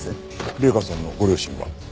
麗華さんのご両親は？